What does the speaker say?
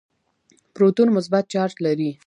پروتون مثبت چارج لري.